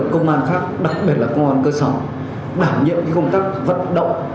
công an khác đặc biệt là công an cơ sở đảm nhiệm công tác vận động